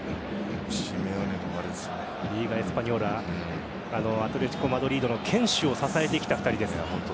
リーガエスパニョーラアトレティコマドリードの堅守を支えてきた２人です。